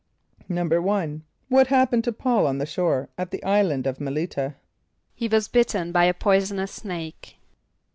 =1.= What happened to P[a:]ul on the shore at the island of M[)e]l´[)i] t[.a]? =He was bitten by a poisonous snake.